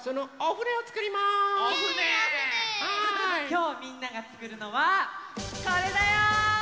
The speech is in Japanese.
きょうみんながつくるのはこれだよ！